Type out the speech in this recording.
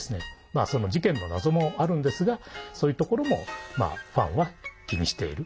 その事件の謎もあるんですがそういうところもファンは気にしている。